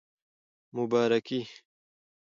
مبارکي